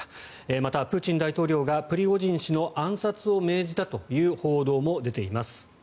また、プーチン大統領がプリゴジン氏の暗殺を命じたという報道も出ています。